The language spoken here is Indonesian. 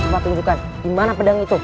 cepat tunjukkan dimana pedang itu